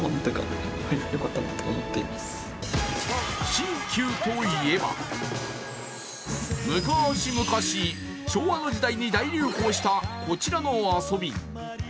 進級といえばむかしむかし、昭和時代に大流行したこちらの遊び。